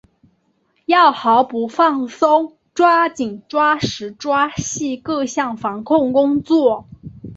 要毫不放松抓紧抓实抓细各项防控工作